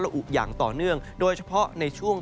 อุอย่างต่อเนื่องโดยเฉพาะในช่วง